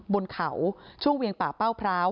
บนเขาช่วงเวียงป่าเป้าพร้าว